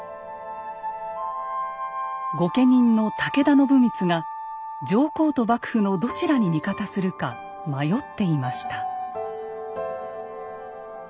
御家人の武田信光が上皇と幕府のどちらに味方するか迷っていました。